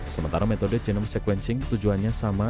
sementara metode genome sequencing tujuannya sama